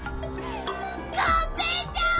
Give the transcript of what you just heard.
がんぺーちゃん！